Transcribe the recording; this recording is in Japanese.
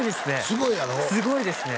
すごいですね！